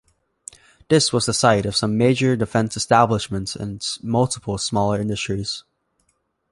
This was the site of some major defense establishments and multiple smaller industries.